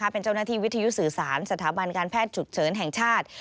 เป็นเจ้าหน้าที่วิทยุสื่อสารสถาบันการแพทย์ฉุกเฉินแห่งชาติ